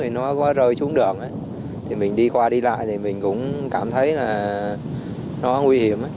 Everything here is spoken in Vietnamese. nó có rơi xuống đường thì mình đi qua đi lại thì mình cũng cảm thấy là nó nguy hiểm